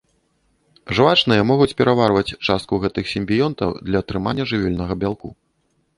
Жвачныя могуць пераварваць частку гэтых сімбіёнтаў для атрымання жывёльнага бялку.